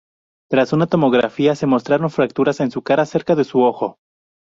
Tras una tomografía, se mostraron fracturas en su cara cerca de su ojo.